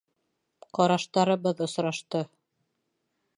Ҡараштарыбыҙ осрашты!